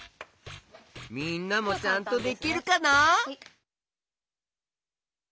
みんなもちゃんとできるかな？